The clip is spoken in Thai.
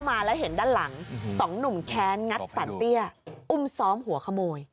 มาแล้วเห็นด้านหลังสองหนุ่มแค้นงัดสรรเตี้ยอุ้มซ้อมหัวขโมย